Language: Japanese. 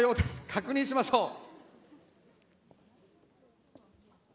確認しましょう。